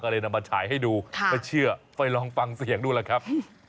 ก็เลยนำมาฉายให้ดูไม่เชื่อไปลองฟังเสียงดูล่ะครับ